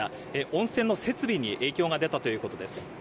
温泉の設備に影響が出たということです。